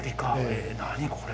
え何これ。